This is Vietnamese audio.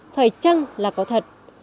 thoải trăng là có thật